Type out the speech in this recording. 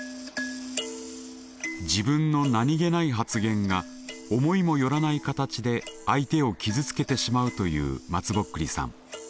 自分の何気ない発言が思いも寄らない形で相手を傷つけてしまうというまつぼっくりさん。